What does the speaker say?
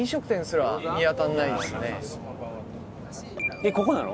えっここなの！？